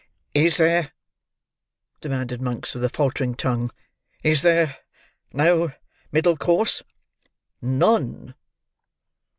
"Is there—" demanded Monks with a faltering tongue,—"is there—no middle course?" "None."